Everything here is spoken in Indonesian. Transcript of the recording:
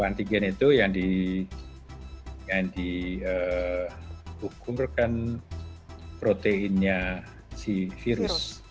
antigen itu yang dihukum rekan proteinnya si virus